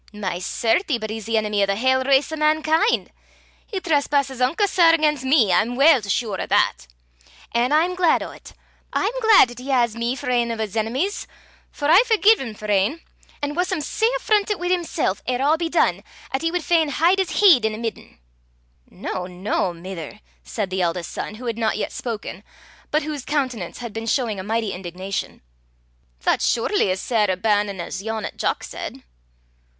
My certie! but he's the enemy o' the haill race o' mankin'. He trespasses unco sair again' me, I'm weel sure o' that! An' I'm glaid o' 't. I'm glaid 'at he has me for ane o' 's enemies, for I forgie him for ane; an' wuss him sae affrontit wi' himsel' er a' be dune, 'at he wad fain hide his heid in a midden." "Noo, noo, mither!" said the eldest son, who had not yet spoken, but whose countenance had been showing a mighty indignation, "that's surely as sair a bannin' as yon 'at Jock said."